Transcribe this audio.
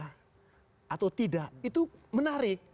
atau tidak itu menarik